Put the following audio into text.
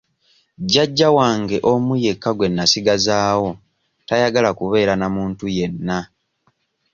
Jjajja wange omu yekka gwe nasigazaawo tayagala kubeera na muntu yenna.